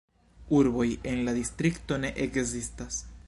Urboj en la distrikto ne ekzistas.